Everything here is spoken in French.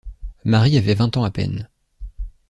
Marie avait vingt ans à peine.